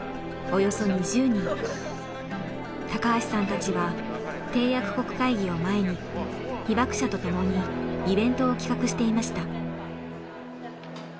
高橋さんたちは締約国会議を前に被爆者と共にイベントを企画していました。